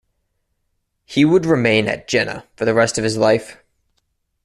He would remain at Jena for the rest of his life.